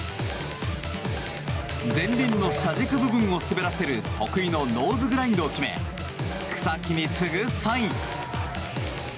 前輪の車軸部分を滑らせる得意のノーズグラインドを決め草木に次ぐ３位。